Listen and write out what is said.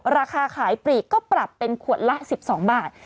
ราคาขายปลีกก็ปรับเป็นขวดละ๑๒บาท